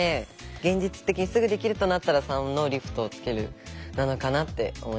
現実的にすぐできるとなったら３の「リフトをつける」なのかなって思いました。